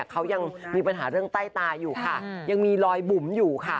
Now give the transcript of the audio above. เขายังมีปัญหาเรื่องใต้ตาอยู่ค่ะยังมีรอยบุ๋มอยู่ค่ะ